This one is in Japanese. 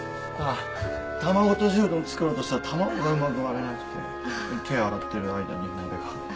卵とじうどんを作ろうとしたら卵がうまく割れなくて手を洗ってる間に鍋が。